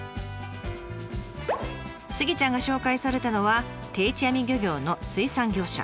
スギちゃんが紹介されたのは定置網漁業の水産業者。